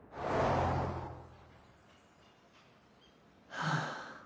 はあ。